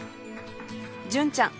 純ちゃん